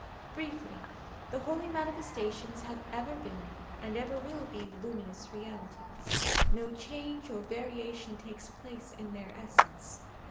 Briefly, the Holy Manifestations have ever been, and ever will be, Luminous Realities ; no change or variation takes place in their essence.